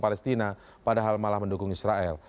ferry menuduhnya padahal malah mendukung israel